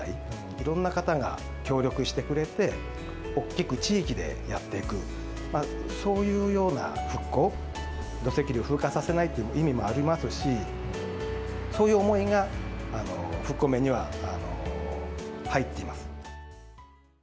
いろんな方が協力してくれて、おっきく地域でやっていく、そういうような復興、土石流を風化させないという意味もありますし、そういう思いが復興麺には入っています。